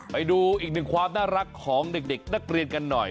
ไปดูอีกหนึ่งความน่ารักของเด็กนักเรียนกันหน่อย